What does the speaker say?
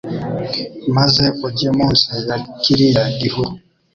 Maze ujye munsi ya kiriya gihuru